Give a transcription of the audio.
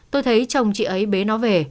tôi thấy chồng chị ấy bế nó về